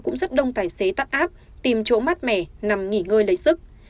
cũng rất đông tài xế tắt áp tìm chỗ mát mẻ nằm nghỉ ngơi lấy sức